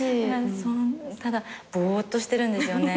ただぼーっとしてるんですよね